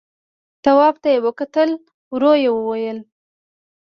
تواب ته يې وکتل، ورو يې وويل: